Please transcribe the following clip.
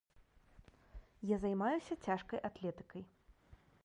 А я займаюся цяжкай атлетыкай.